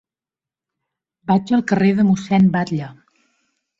Vaig al carrer de Mossèn Batlle.